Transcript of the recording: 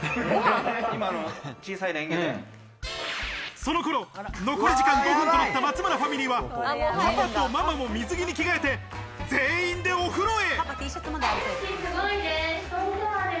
その頃、残り時間５分となった松村ファミリーは、パパとママも水着に着替えて全員でお風呂へ。